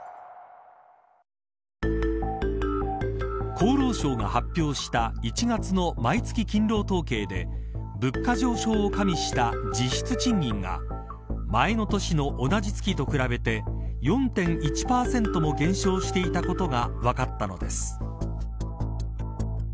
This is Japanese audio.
厚労省が発表した１月の毎月勤労統計で物価上昇を加味した実質賃金が前の年の同じ月と比べて４．１％も減少していたことが分かったのです。